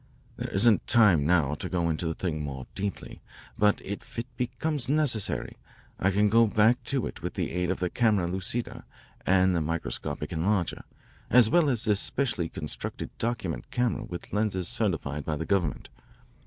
"There isn't time now to go into the thing more deeply, but if it becomes necessary I can go back to it with the aid of the camera lucida and the microscopic enlarger, as well as this specially constructed document camera with lenses certified by the government.